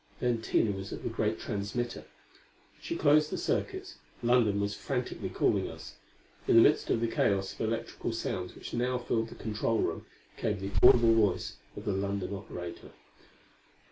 Then Tina was at the great transmitter. As she closed the circuits, London was frantically calling us. In the midst of the chaos of electrical sounds which now filled the control room, came the audible voice of the London operator.